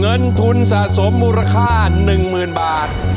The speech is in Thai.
เงินทุนสะสมมูรคค่า๑หมื่นบาท